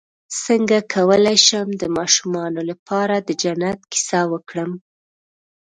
څنګه کولی شم د ماشومانو لپاره د جنت کیسه وکړم